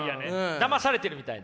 だまされてるみたいな？